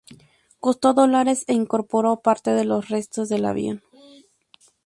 Costó dólares e incorporó parte de los restos del avión.